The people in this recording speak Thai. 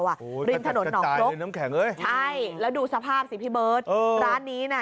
บริมถนนหนอกรกใช่แล้วดูสภาพสิพี่เบิร์ตร้านนี้นะ